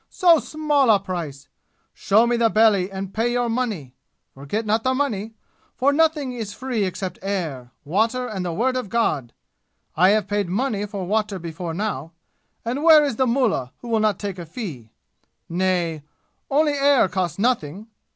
So small a price! Show me the belly and pay your money! Forget not the money, for nothing is free except air, water and the Word of God! I have paid money for water before now, and where is the mullah who will not take a fee? Nay, only air costs nothing!